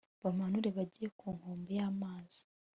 bamanure bajye ku nkombe y'amazi